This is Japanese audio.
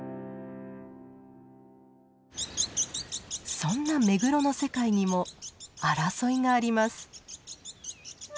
そんなメグロの世界にも争いがあります。